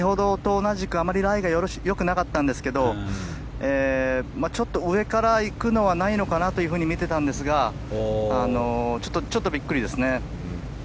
あまりライがよろしくなかったんですがちょっと上からいくのはないのかなと見てたんですがちょっとビックリですね。